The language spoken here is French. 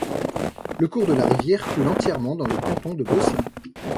Le cours de la rivière coule entièrement dans le canton de Gosselin.